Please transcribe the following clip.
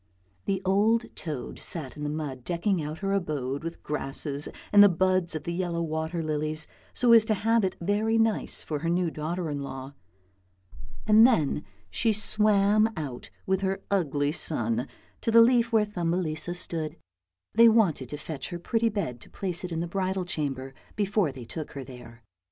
The old toad sat in the mud decking out her abode with grasses and the buds of the yellow water lilies, so as to have it very nice for the new daughter in law, and then she swam 70 ANDERSEN'S FAIRY TALES out with her ugly son to the leaf where Thumbelisa stood; they wanted to fetch her pretty bed to place it in the bridal chamber before they took her there.